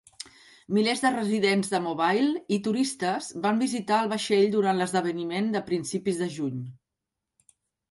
Milers de residents de Mobile i turistes van visitar el vaixell durant l'esdeveniment de principis de juny.